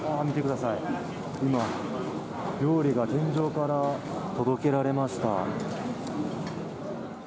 見てください、今、料理が天井から届けられました。